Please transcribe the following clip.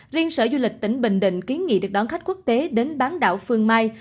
riêng sở du lịch tỉnh bình định kiến nghị được đón khách quốc tế đến bán đảo phương mai